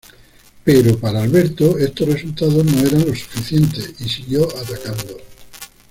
Pero para Alberto estos resultados no eran los suficientes, y siguió atacando.